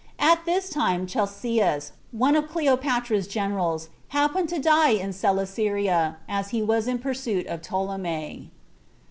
At this time Chelcias, one of Cleopatra's generals, happened to die in Celesyria, as he was in pursuit of Ptolemy. 2.